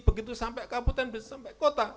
begitu sampai kabupaten sampai kota